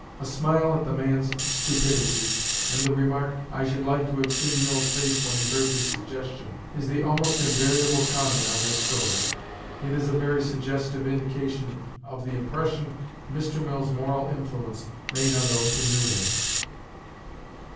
A smile at the man's stupidity, and the remark, "I should like to have seen Mill's face when he heard this suggestion," is the almost invariable comment on this story. It is a very suggestive indication of the impression Mr. Mill's moral influence made on those who knew him.